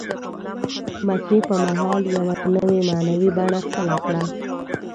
مکې په مهال یوه نوې معنوي بڼه خپله کړه.